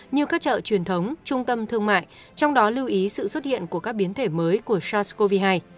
như các chợ truyền thống trung tâm thương mại trong đó lưu ý sự xuất hiện của các biến thể mới của sars cov hai